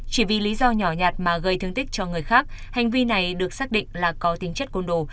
chỉ vì lý do nhỏ nhạt mà gây thương tích cho người khác hành vi này được xác định là có tính chất côn đồ